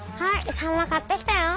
サンマ買ってきたよ。